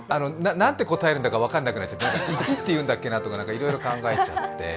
何て答えるんだか分からなくなっちゃって１って言うんだっけなとかいろいろ考えちゃって。